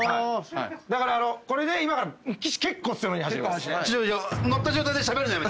だからこれで今から岸結構強めに走ります。